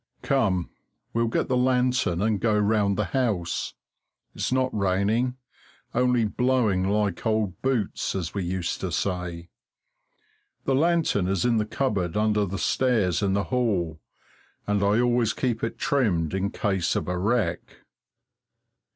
Come, we'll get the lantern and go round the house. It's not raining only blowing like old boots, as we used to say. The lantern is in the cupboard under the stairs in the hall, and I always keep it trimmed in case of a wreck.